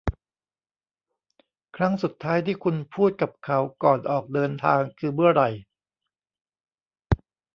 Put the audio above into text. ครั้งสุดท้ายที่คุณพูดกับเขาก่อนออกเดินทางคือเมื่อไหร่ ?